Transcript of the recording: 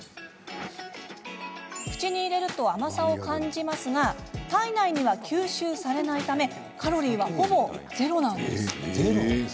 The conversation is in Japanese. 口に入れると甘さを感じますが体内には吸収されないためカロリーは、ほぼゼロなんです。